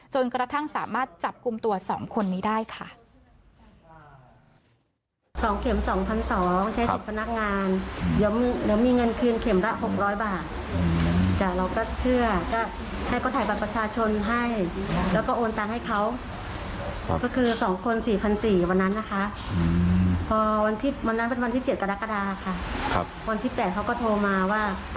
จนกระทั่งสามารถจับกลุ่มตัว๒คนนี้ได้ค่ะ